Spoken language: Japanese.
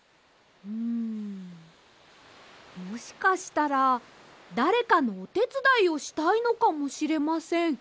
うんもしかしたらだれかのおてつだいをしたいのかもしれません。